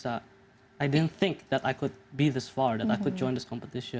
saya tidak berpikir bahwa saya bisa sampai di sini bahwa saya bisa ikut kompetisi ini